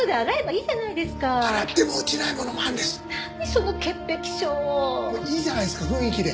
いいじゃないですか雰囲気で。